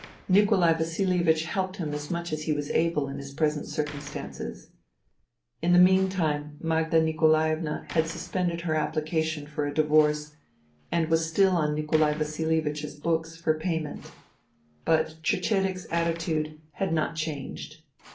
Nikolai Vasilievich helped him as much as he was able in his present circumstances. In the meantime Magda Nikolaevna had suspended her application for a divorce and was still on Nikolai Vasilievich' s books for payment. But Cecedek's attitude had not changed.